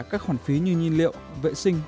các khoản phí như nhiên liệu vệ sinh